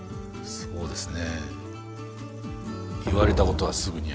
そうですね